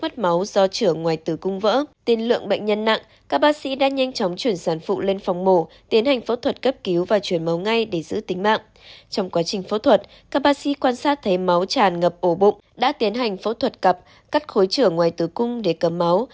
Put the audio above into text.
trong quá trình phẫu thuật các bác sĩ quan sát thấy máu tràn ngập ổ bụng đã tiến hành phẫu thuật cập cắt khối trở ngoài tứ cung để cầm máu